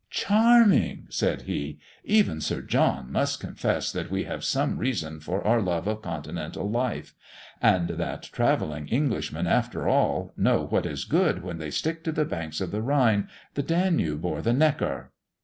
"Charming!" said he. "Even Sir John must confess that we have some reason for our love of continental life; and that travelling Englishmen, after all, know what is good when they stick to the banks of the Rhine, the Danube, or the Neckar."